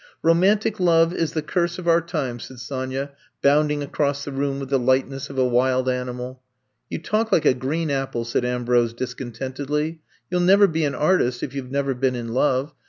Romantic love is the curse of our times, said Sonya, bounding across the 174 I'VE COMB TO STAT room with the lightness of a wild animal. You talk like a green apple, '^ said Am brose discontentedly. You *11 never be an artist if you Ve never been in love.